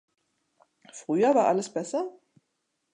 Früher war alles besser?